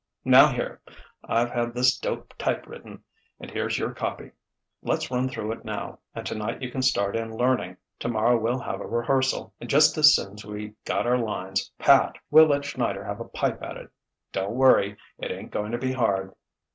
Now here: I've had this dope type written, and here's your copy. Let's run through it now, and tonight you can start in learning. Tomorrow we'll have a rehearsal, and just as soon's we got our lines pat, we'll let Schneider have a pipe at it. Don't worry. It ain't going to be hard."